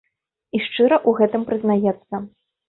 І шчыра ў гэтым прызнаецца.